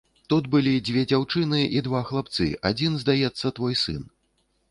Тут былі дзве дзяўчыны і два хлапцы, адзін, здаецца, твой сын.